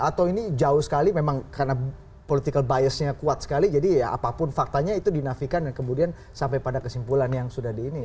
atau ini jauh sekali memang karena political biasnya kuat sekali jadi ya apapun faktanya itu dinafikan dan kemudian sampai pada kesimpulan yang sudah di ini